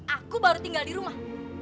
aku baru tinggal di rumah